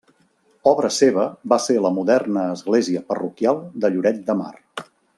Obra seva va ser la moderna església parroquial de Lloret de Mar.